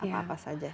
apa apa saja yang